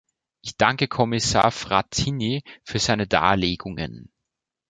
Ich danke Kommissar Frattini für seine Darlegungen.